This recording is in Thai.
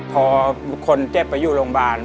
พอคนเจ็บไปอยู่โรงพยาบาล